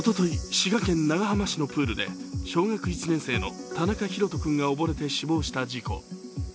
滋賀県長浜市のプールで小学１年生の田中大翔君が溺れて死亡した事故。